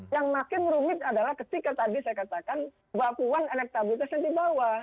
yang makin rumit adalah ketika tadi saya katakan mbak puan elektabilitasnya di bawah